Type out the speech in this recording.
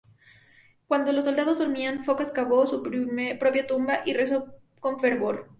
Cuando los soldados dormían, Focas cavó su propia tumba y rezó con fervor.